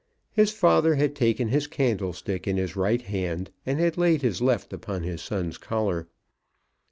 His father had taken his candlestick in his right hand, and had laid his left upon his son's collar.